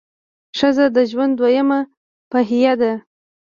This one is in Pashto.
ښځه د ژوند دویمه پهیه ده.